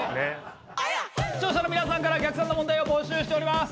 視聴者の皆さんから逆算の問題を募集しております！